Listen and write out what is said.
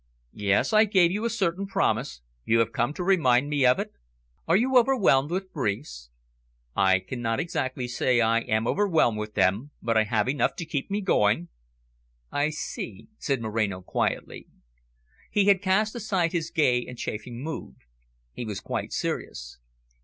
"Yes, I gave you a certain promise. You have come to remind me of it?" "Are you overwhelmed with briefs?" "I cannot exactly say I am overwhelmed with them, but I have enough to keep me going." "I see," said Moreno quietly. He had cast aside his gay and chaffing mood; he was quite serious.